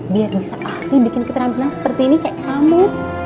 biar bisa ahli bikin keterampilan seperti ini kayak kamu